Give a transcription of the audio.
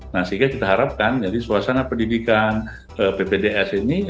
nah sehingga kita harapkan jadi suasana pendidikan ppds ini